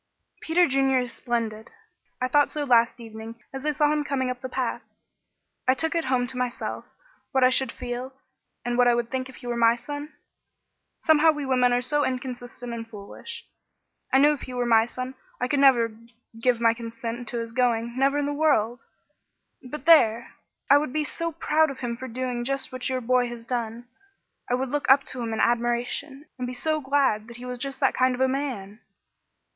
"Peter Junior is splendid. I thought so last evening as I saw him coming up the path. I took it home to myself what I should feel, and what I would think if he were my son. Somehow we women are so inconsistent and foolish. I knew if he were my son, I never could give my consent to his going, never in the world, but there! I would be so proud of him for doing just what your boy has done; I would look up to him in admiration, and be so glad that he was just that kind of a man!"